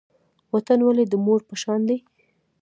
وطن ولې د مور په شان دی؟